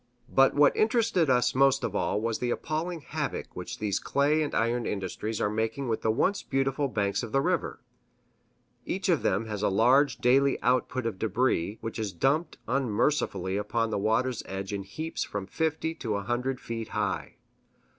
But what interested us most of all was the appalling havoc which these clay and iron industries are making with the once beautiful banks of the river. Each of them has a large daily output of debris, which is dumped unmercifully upon the water's edge in heaps from fifty to a hundred feet high.